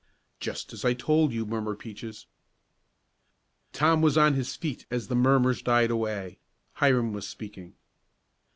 "Just as I told you," murmured Peaches. Tom was on his feet as the murmurs died away. Hiram was speaking.